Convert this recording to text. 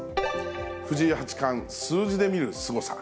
藤井八冠、数字で見るすごさ。